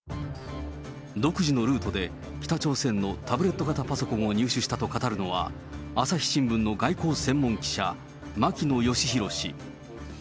独自のルートで北朝鮮のタブレット型パソコンを入手したと語るのは、朝日新聞の外交専門記者、牧野愛博氏。